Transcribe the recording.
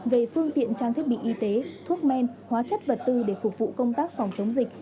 về phương tiện trang thiết bị y tế thuốc men hóa chất vật tư để phục vụ công tác phòng chống dịch